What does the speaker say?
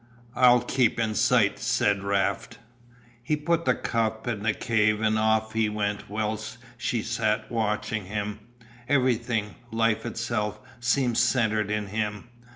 "I'll keep in sight," said Raft. He put the cup in the cave and off he went whilst she sat watching him; everything, life itself, seemed centred in him.